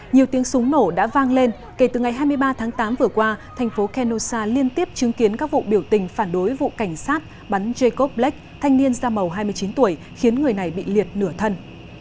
nhiều tiếng súng nổ đã vang lên kể từ ngày hai mươi ba tháng tám vừa qua thành phố kenosa liên tiếp chứng kiến các vụ biểu tình phản đối vụ cảnh sát bắn jacob black thanh niên da màu hai mươi chín tuổi khiến người này bị liệt nửa thân